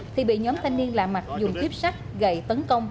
thì bị nhóm thanh niên lạ mặt dùng tuyếp sắt gậy tấn công